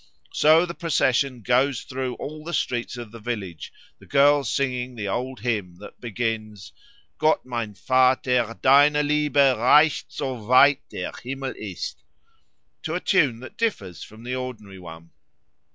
So the procession goes through all the streets of the village, the girls singing the old hymn that begins "Gott mein Vater, deine Liebe Reicht so weit der Himmel ist," to a tune that differs from the ordinary one.